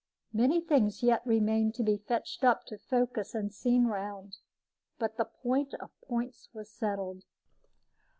Many things yet remained to be fetched up to focus and seen round; but the point of points was settled.